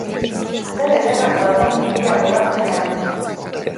Zer ederrak dauden mendiak udazkenean!